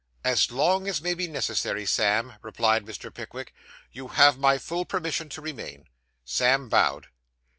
'As long as may be necessary, Sam,' replied Mr. Pickwick, 'you have my full permission to remain.' Sam bowed.